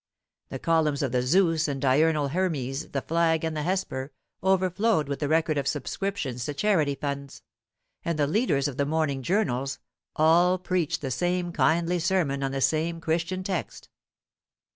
The columns of the Zeus and the Diurnal Hermes, the Flag and the Hesper, overflowed with the record of subscriptions to charity funds; and the leaders of the morning journals all preached the same kindly sermon on the same Christian text.